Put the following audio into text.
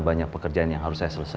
banyak pekerjaan yang harus saya selesai